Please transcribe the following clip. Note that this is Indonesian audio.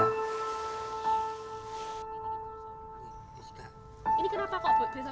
ini kenapa kok